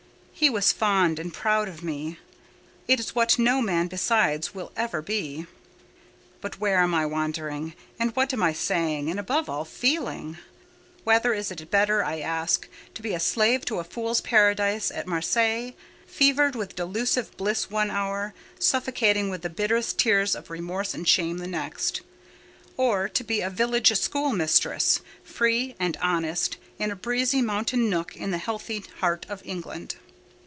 He was fond and proud of me—it is what no man besides will ever be.—But where am I wandering, and what am I saying, and above all, feeling? Whether is it better, I ask, to be a slave in a fool's paradise at Marseilles—fevered with delusive bliss one hour—suffocating with the bitterest tears of remorse and shame the next—or to be a village schoolmistress, free and honest, in a breezy mountain nook in the healthy heart of England?